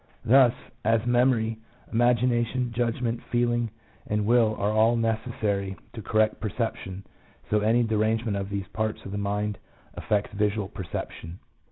Thus, as memory, imagina tion, judgment, feeling, and will are all necessary to correct perception, so any derangement of these parts of the mind affects visual perception.